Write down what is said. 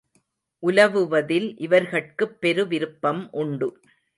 உலவுவதில் இவர்கட்குப் பெரு விருப்பம் உண்டு.